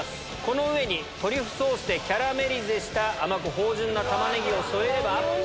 この上にトリュフソースでキャラメリゼした甘く芳醇なタマネギを添えれば。